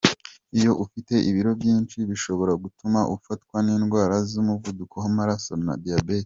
Iyo ufite ibiro byinshi bishobora gutuma ufatwan’indwara z’umuvuduko w’amaraso na diyabete.